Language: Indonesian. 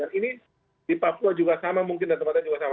dan ini di papua juga sama mungkin dan tempat lain juga sama